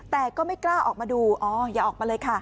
แต่ก็ไม่กล้าออกมาดูอ๋ออย่าออกมาเลยค่ะ